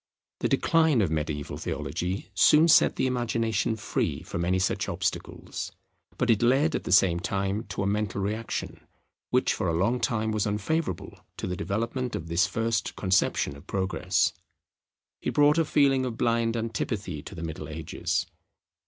The decline of mediaeval theology soon set the imagination free from any such obstacles; but it led at the same time to a mental reaction which for a long time was unfavourable to the development of this first conception of Progress. It brought a feeling of blind antipathy to the Middle Ages.